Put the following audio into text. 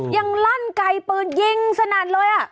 ยังลั่นไกลปืนยิงสนับเลยอะ